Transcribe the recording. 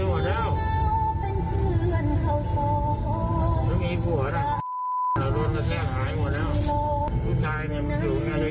ผู้ใจมันไม่เหี่ยวนะแต่คนดูแลด้านใจดีดี